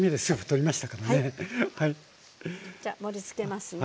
じゃあ盛りつけますね。